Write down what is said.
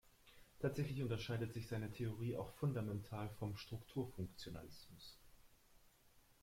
Tatsächlich unterscheidet sich seine Theorie auch fundamental vom Strukturfunktionalismus.